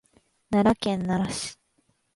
奈良県奈良市